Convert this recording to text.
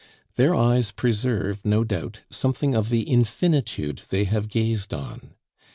Their eyes preserve, no doubt, something of the infinitude they have gazed on.